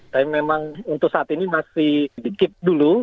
tapi memang untuk saat ini masih dikit dulu